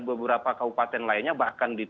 beberapa kabupaten lainnya bahkan di